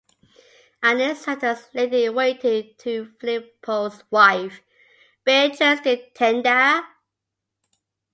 Agnese served as Lady-in-Waiting to Filippo's wife, Beatrice di Tenda.